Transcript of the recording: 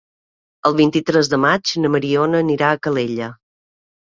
El vint-i-tres de maig na Mariona anirà a Calella.